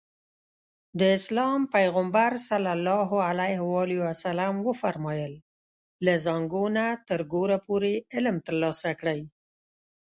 د اسلام پيغمبر ص وفرمايل له زانګو نه تر ګوره پورې علم ترلاسه کړئ.